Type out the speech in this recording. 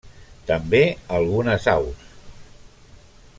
També algunes aus.